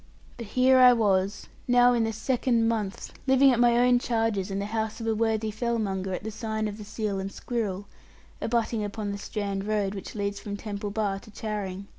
But here I was, now in the second month living at my own charges in the house of a worthy fellmonger at the sign of the Seal and Squirrel, abutting upon the Strand road which leads from Temple Bar to Charing.